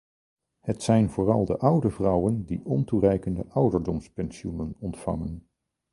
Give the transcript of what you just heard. Het zijn vooral de oude vrouwen die ontoereikende ouderdomspensioenen ontvangen.